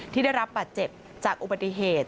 ที่ได้รับบาดเจ็บจากอุบัติเหตุ